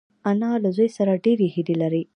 انا له زوی سره ډېرې هیلې لري